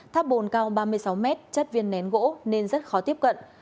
tháp bồn cao ba mươi sáu mét chất viên nén gỗ nên rất khó tiếp cận